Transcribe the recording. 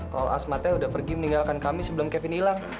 kalau asmatnya udah pergi meninggalkan kami sebelum kevin hilang